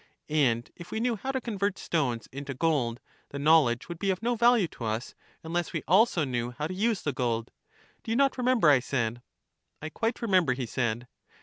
And if we knew how to convert stones into gold, the knowledge would be of no value to us, unless we also knew how to use the gold? Do you not re member? I said. I quite remember, he said.